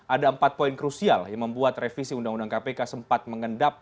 ada empat poin krusial yang membuat revisi undang undang kpk sempat mengendap